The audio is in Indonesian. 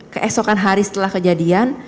keesokan hari setelah kejadian